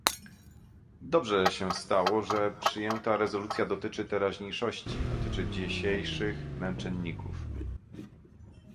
Dobrze się stało, że przyjęta rezolucja dotyczy teraźniejszości, dotyczy dzisiejszych męczenników